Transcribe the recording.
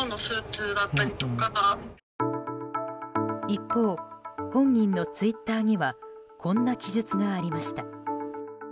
一方、本人のツイッターにはこんな記述がありました。